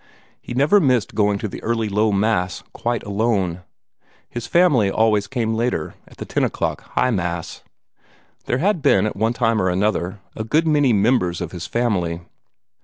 He never missed going to the early Low Mass, quite alone. His family always came later, at the ten o'clock High Mass. There had been, at one time or another, a good many members of this family.